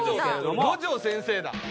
五条先生だ。